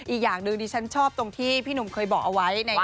อีกอย่างหนึ่งดิฉันชอบตรงที่พี่หนุ่มเคยบอกเอาไว้